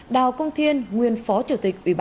đào công thiên lê mộng điệp